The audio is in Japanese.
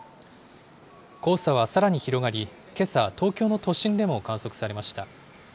黄砂はさらに広がり、けさ、東京の都心でも観測されました。